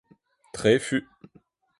Trefu